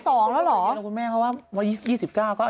พี่หนุ่มกินเดี๋ยวนี้ก็ให้รถบริการค่ะพี่หนุ่มกินเดี๋ยวนี้ก็ให้รถบริการค่ะ